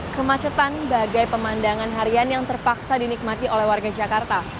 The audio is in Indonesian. kemacetan bagai pemandangan harian yang terpaksa dinikmati oleh warga jakarta